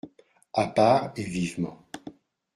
A part et vivement.